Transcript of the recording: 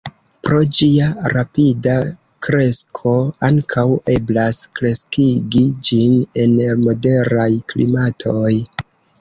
Pro ĝia rapida kresko ankaŭ eblas kreskigi ĝin en moderaj klimatoj.